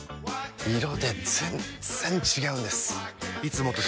色で全然違うんです！